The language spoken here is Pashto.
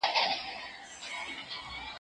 بوټونه د مور له خوا پاکيږي!.